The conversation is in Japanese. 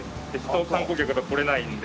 観光客が来れないんで。